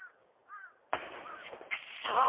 ちっくしょう！